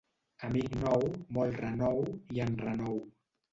Amic nou, molt renou i enrenou.